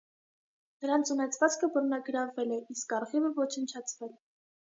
Նրանց ունեցվածքը բռնագրավվել է, իսկ արխիվը ոչնչացվել։